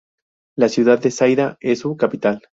La ciudad de Saida es su capital.